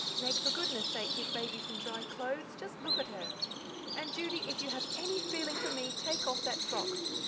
Meg, for goodness' sake give Baby some dry clothes just look at her; and, Judy, if you have any feeling for me, take off that frock.